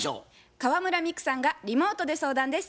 河邑ミクさんがリモートで相談です。